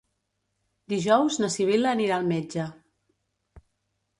Dijous na Sibil·la anirà al metge.